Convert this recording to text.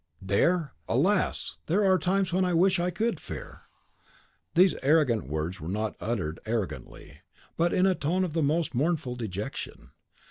"Dare! Alas! there are times when I wish that I could fear." These arrogant words were not uttered arrogantly, but in a tone of the most mournful dejection.